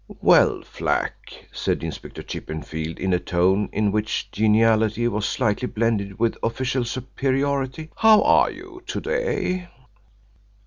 "Well, Flack," said Inspector Chippenfield in a tone in which geniality was slightly blended with official superiority. "How are you to day?"